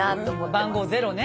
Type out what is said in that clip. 番号ゼロね。